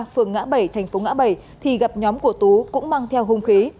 phường ngã bảy thành phố ngã bảy thì gặp nhóm của tú cũng mang theo hung khí